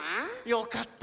よかった。